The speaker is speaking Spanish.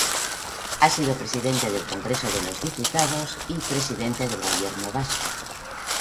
Ha sido presidente del Congreso de los Diputados y presidente del Gobierno Vasco.